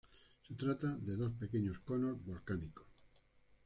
Se trata de dos pequeños conos volcánicos.